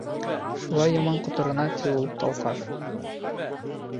Шулай яман ҡоторона, ти, ул Талҡаҫ.